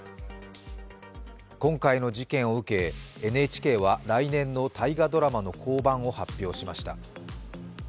今回の事件を受け、ＮＨＫは来年の大河ドラマの降板を発表しました。